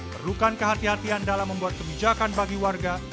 perlukan kehati hatian dalam membuat kebijakan bagi warga